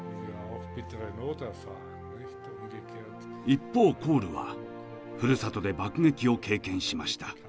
一方コールはふるさとで爆撃を経験しました。